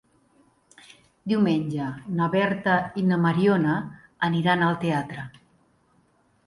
Diumenge na Berta i na Mariona aniran al teatre.